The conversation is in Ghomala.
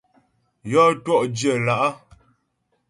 Yɔ́ twɔ̂'dyə̌ lá'.